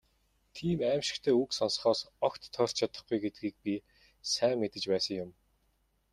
Тийм «аймшигт» үг сонсохоос огт тойрч чадахгүй гэдгийг би сайн мэдэж байсан юм.